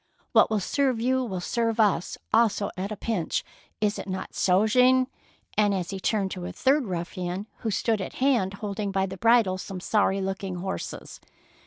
" What will serve you will serve us also at a pinch. Is it not so, Jean I and he turned to a third ruffian who stood at hand, holding by the bridle some sorry looking horses.